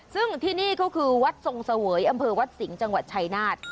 ซึ่งที่นี่ก็คือวัดทรงเสวยอำเภอวัดสิงห์จังหวัดชายนาฏ